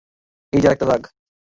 এই যে আরেকটা দাগ।